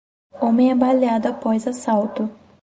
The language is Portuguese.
Homem é baleado após assalto